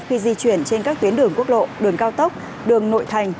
khi di chuyển trên các tuyến đường quốc lộ đường cao tốc đường nội thành